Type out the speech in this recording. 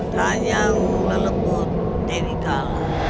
dayang melebut tewikala